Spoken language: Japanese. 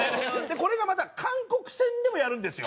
これがまた韓国戦でもやるんですよ。